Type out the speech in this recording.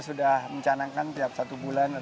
saya menandakan tiap satu bulan